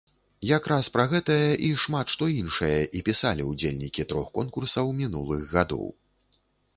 Якраз пра гэтае і шмат што іншае і пісалі ўдзельнікі трох конкурсаў мінулых гадоў.